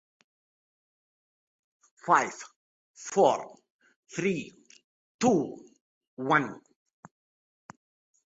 كان سامي مُحتجزا في المزرعة.